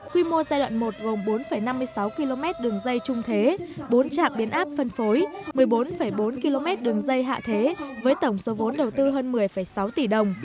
quy mô giai đoạn một gồm bốn năm mươi sáu km đường dây trung thế bốn trạm biến áp phân phối một mươi bốn bốn km đường dây hạ thế với tổng số vốn đầu tư hơn một mươi sáu tỷ đồng